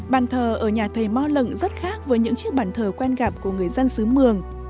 bàn thờ ở nhà thầy mo lựng rất khác với những chiếc bàn thờ quen gặp của người dân xứ mường